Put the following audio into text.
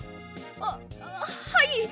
あっはい！